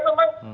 pada saat itu ya